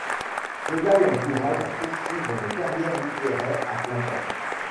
Cela l'encourage à poursuivre une carrière littéraire à plein temps.